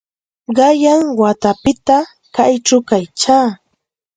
Qanyan watapitam kaćhaw yachaa.